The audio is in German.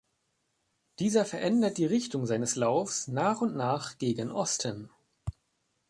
Dieser verändert die Richtung seines Laufs nach und nach gegen Osten.